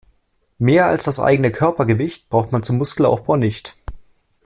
Mehr als das eigene Körpergewicht braucht man zum Muskelaufbau nicht.